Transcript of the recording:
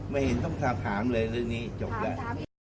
ไม่เห็นต้องสอบถามเลยเรื่องนี้จบแล้ว